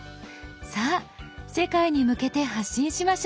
さあ世界に向けて発信しましょう！